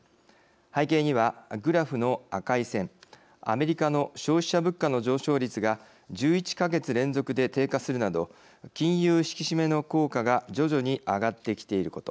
背景にはグラフの赤い線アメリカの消費者物価の上昇率が１１か月連続で低下するなど金融引き締めの効果が徐々に上がってきていること。